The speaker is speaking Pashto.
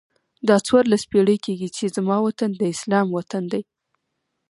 دا څوارلس پیړۍ کېږي چې زما وطن د اسلام وطن دی.